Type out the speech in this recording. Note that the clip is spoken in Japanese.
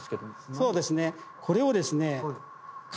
そうですね。